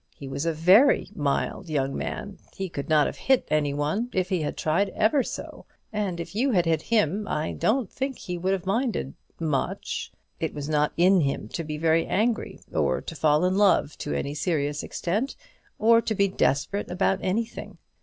He was a very mild young man. He could not have hit any one if he had tried ever so; and if you had hit him, I don't think he would have minded much. It was not in him to be very angry; or to fall in love, to any serious extent; or to be desperate about anything.